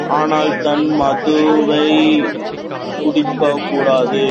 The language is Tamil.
ஆனால், தான் மதுவைக் குடிக்கக்கூடாது.